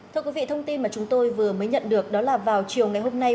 thưa quý vị thông tin mà chúng tôi vừa mới nhận được đó là vào chiều ngày hôm nay